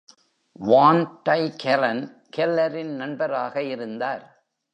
வான் Dyke ஹெலென் கெல்லெரின் நண்பராக இருந்தார்.